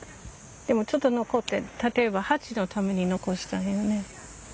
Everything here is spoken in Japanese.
でもちょっと残って例えばハチのために残してあげるね。